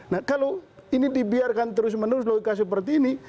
nah kalau ini dibiarkan terus menerus logika seperti ini